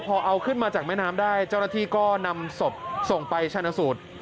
พอเอาขึ้นมาจากแม่น้ำได้เจ้าหน้าที่ก็นำศพส่งไปชนะสูตร